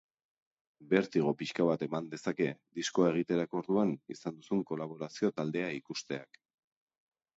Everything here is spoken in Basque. Bertigo pixka bat eman dezake diskoa egiterako orduan izan duzun kolaborazio taldea ikusteak.